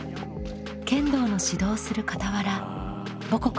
剣道の指導をするかたわら母国